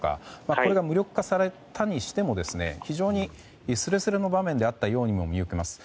これが無力化されたにしても非常にすれすれの場面であったようにも見受けられます。